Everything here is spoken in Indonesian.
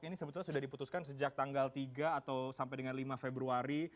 ini sebetulnya sudah diputuskan sejak tanggal tiga atau sampai dengan lima februari